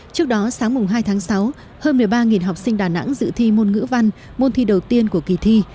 trước đó sáng mùng hai tháng sáu hơn một mươi ba học sinh đà nẵng dự thi môn ngữ văn môn thi đầu tiên của kỳ thi